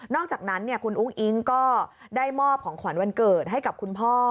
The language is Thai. อกจากนั้นคุณอุ้งอิ๊งก็ได้มอบของขวัญวันเกิดให้กับคุณพ่อ